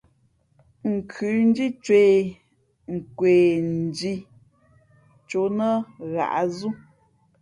Nkhʉndhǐ cwēh, α kwe pαndhī cō nά hǎʼzʉ́.